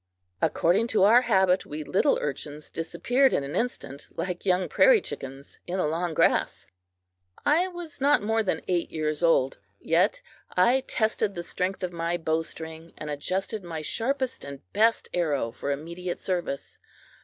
According to our habit, we little urchins disappeared in an instant, like young prairie chickens, in the long grass. I was not more than eight years old, yet I tested the strength of my bowstring and adjusted my sharpest and best arrow for immediate service.